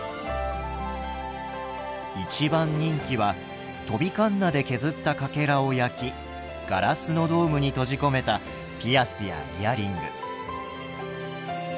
一番人気は飛びかんなで削ったかけらを焼きガラスのドームに閉じ込めたピアスやイヤリング。